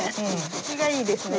生きがいいですね。